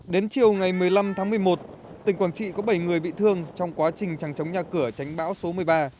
đến chiều ngày một mươi năm tháng một mươi một tỉnh quảng trị có bảy người bị thương trong quá trình trắng trống nhà cửa tránh bão số một mươi ba